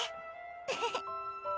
ウフフ。